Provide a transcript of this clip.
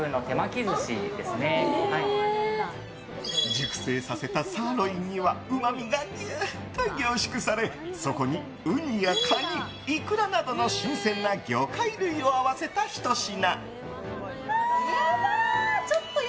熟成させたサーロインにはうまみがぎゅっと凝縮されそこにウニやカニ、イクラなどの新鮮な魚介類を合わせたひと品。